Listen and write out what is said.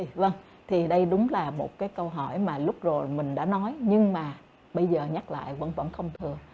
vâng thì đây đúng là một câu hỏi mà lúc rồi mình đã nói nhưng mà bây giờ nhắc lại vẫn không thừa